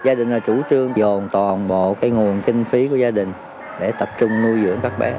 gia đình là chủ trương dồn toàn bộ nguồn kinh phí của gia đình để tập trung nuôi dưỡng các bé